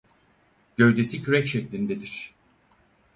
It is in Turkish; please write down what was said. Gövdesi kürek şeklindedir.